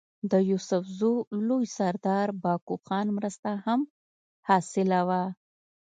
د يوسفزو لوئ سردار بهاکو خان مرسته هم حاصله وه